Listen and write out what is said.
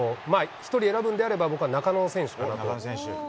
１人選ぶんであれば、僕は中野選手。